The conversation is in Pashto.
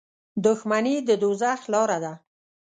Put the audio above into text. • دښمني د دوزخ لاره ده.